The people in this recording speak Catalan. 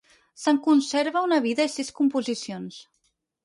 Se'n conserva una vida i sis composicions.